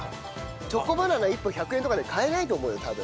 チョコバナナ１本１００円とかで買えないと思うよ多分。